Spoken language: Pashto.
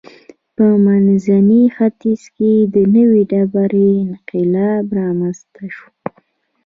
په منځني ختیځ کې د نوې ډبرې انقلاب رامنځته شو.